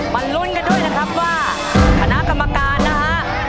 ลุ้นกันด้วยนะครับว่าคณะกรรมการนะฮะ